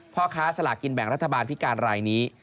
พ่อค้าสลากินแบ่งรัฐบาลพิการรายนี้